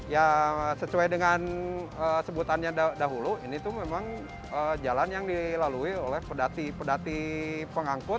ya sesuai dengan sebutannya dahulu ini tuh memang jalan yang dilalui oleh pedati pedati pengangkut